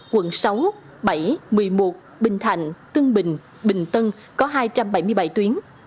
quận sáu bảy một mươi một bình thạnh tân bình bình tân có hai trăm bảy mươi bảy tuyến